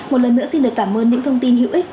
một lần nữa xin được cảm ơn những thông tin hữu ích